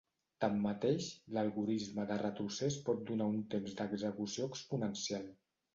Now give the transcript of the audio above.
Tanmateix, l'algorisme de retrocés pot donar un temps d'execució exponencial.